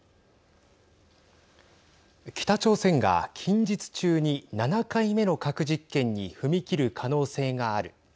北朝鮮が、近日中に７回目の核実験に踏み切る可能性がある。